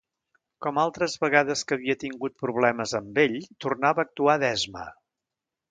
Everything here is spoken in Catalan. Com altres vegades que havia tingut problemes amb ell, tornava a actuar d'esma.